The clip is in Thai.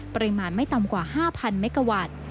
ปริมาณไม่ต่ำกว่า๕๐๐เมกาวัตต์